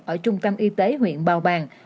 ở trung tâm y tế huyện bầu bàng